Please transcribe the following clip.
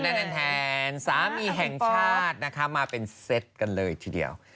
แทนสามีแห่งชาตินะคะมาเป็นเซตกันเลยทีเดียว